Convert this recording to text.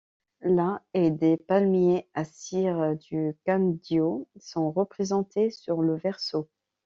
La et des palmiers à cire du Quindío sont représentés sur le verso.